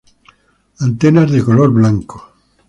Antenas de color blanco.